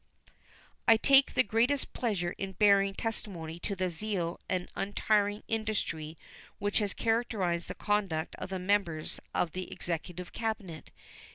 I take the greatest pleasure in bearing testimony to the zeal and untiring industry which has characterized the conduct of the members of the Executive Cabinet.